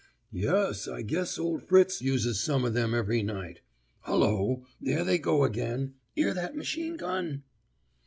'Yus, I guess old Fritz uses some of them every night. Hullo, there they go again. 'Ear that machine gun?